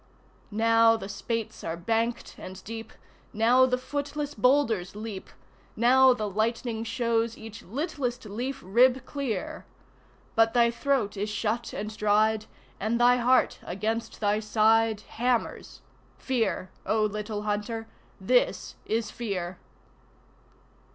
Now the spates are banked and deep; now the footless boulders leap Now the lightning shows each littlest leaf rib clear But thy throat is shut and dried, and thy heart against thy side Hammers: Fear, O Little Hunter this is Fear!